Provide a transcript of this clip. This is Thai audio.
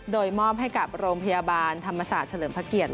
โดยมอบให้กับโรงพยาบาลธรรมศาสตร์เฉลิมพระเกียรติ